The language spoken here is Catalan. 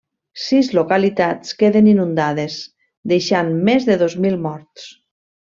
Sis localitats queden inundades, deixant més de dos mil morts.